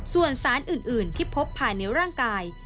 ส่วนสารอื่นที่พบภายในร่างกาย